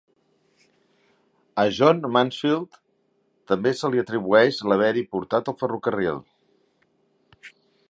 A John Mansfield també se li atribueix l'haver-hi portat el ferrocarril.